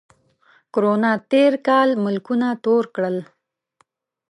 کرونا تېر کال ملکونه تور کړل